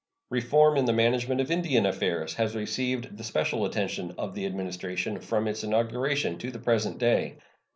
Reform in the management of Indian affairs has received the special attention of the Administration from its inauguration to the present day.